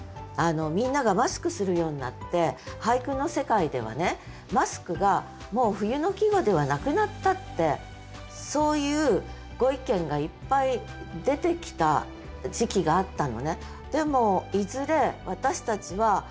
みんながマスクするようになって俳句の世界ではね「マスク」がもう冬の季語ではなくなったってそういうご意見がいっぱい出てきた時期があったのね。